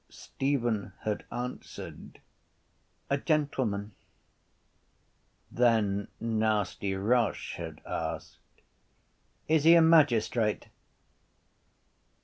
Stephen had answered: —A gentleman. Then Nasty Roche had asked: —Is he a magistrate?